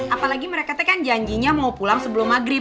apalagi mereka gasannya nak pulang sebelum maghrib